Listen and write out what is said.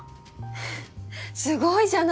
すごいじゃない！